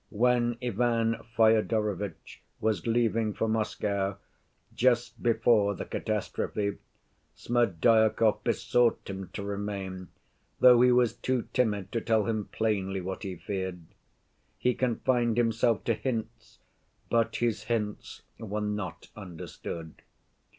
When Ivan Fyodorovitch was leaving for Moscow, just before the catastrophe, Smerdyakov besought him to remain, though he was too timid to tell him plainly what he feared. He confined himself to hints, but his hints were not understood.